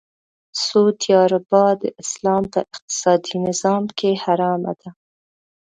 سود یا ربا د اسلام په اقتصادې نظام کې حرامه ده .